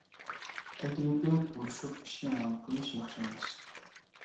تەكلىپىم، ئۇرۇشۇپ ئىشنى ھەل قىلىش ياخشى ئەمەس.